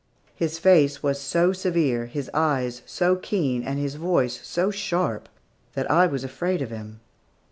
His face was so severe, his eyes so keen, and his voice so sharp that I was afraid of him.